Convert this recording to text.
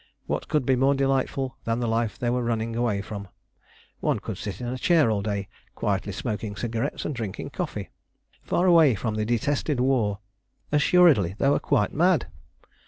What could be more delightful than the life they were running away from, one could sit in a chair all day quietly smoking cigarettes and drinking coffee, far away from the detested war assuredly they were quite mad!